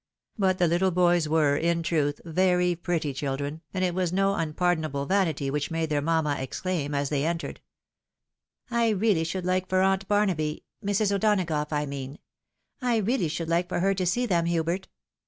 But the little boys were, in truth, very pretty children, and it was no unpardonable vanity which made their mamma exclaim, as they entered, "I really should like for aunt Barnaby, Mrs. O'Donagough I mean — I really should like for her to see them, Hubert.